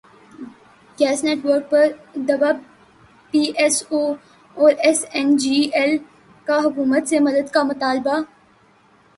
gas network پر دبا P S O اور ایس این جی ایل کا حکومت سے مدد کا مطالبہ